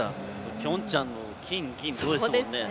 ピョンチャンの金、銀、銅ですもんね。